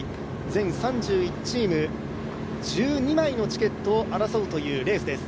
全３１チーム、１２枚のチケットを争うというレースです。